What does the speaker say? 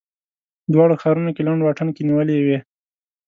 دواړو ښارونو کې لنډ واټن کې نیولې وې.